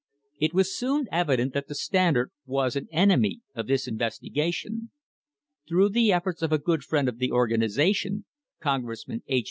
It was soon evident that the Standard was an enemy of this investigation. Through the efforts of a good friend of the organisation — Congressman H.